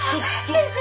先生！